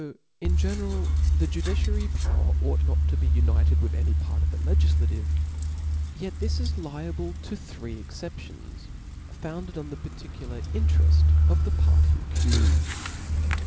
Though in general the judiciary power ought not to be united with any part of the legiQative, yet this is liable to three exceptions, founded on the particular intereft of the party accufcd.